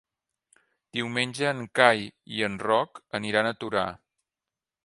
Diumenge en Cai i en Roc aniran a Torà.